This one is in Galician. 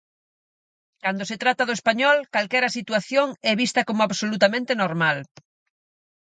Cando se trata do español, calquera situación é vista como absolutamente normal.